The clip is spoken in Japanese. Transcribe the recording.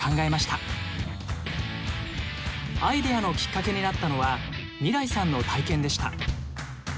アイデアのきっかけになったのはみらいさんの体験でした。